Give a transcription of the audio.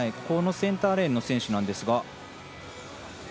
センターレーンの選手なんですが。